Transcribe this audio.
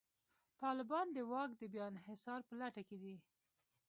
طالبان د واک د بیا انحصار په لټه کې دي.